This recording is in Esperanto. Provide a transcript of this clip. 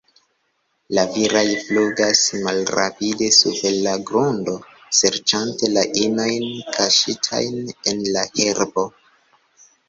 La viraj flugas malrapide super la grundo, serĉante la inojn kaŝitajn en la herbo.